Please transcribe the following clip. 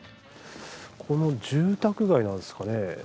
住宅街なんですかね？